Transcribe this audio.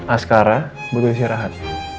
askara butuh istirahat